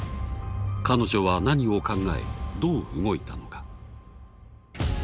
彼女は何を考えどう動いたのか？